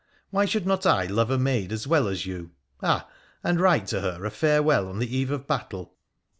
Why should not I love a maid as well as you — ah ! and write to her a farewell on the eve of battle